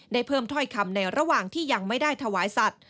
เพิ่มถ้อยคำในระหว่างที่ยังไม่ได้ถวายสัตว์